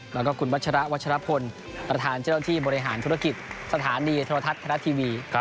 แล้วก็คุณวัชระวัชรพลประธานเจ้าหน้าที่บริหารธุรกิจสถานีโทรทัศน์ไทยรัฐทีวี